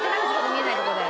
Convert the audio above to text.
見えないとこで。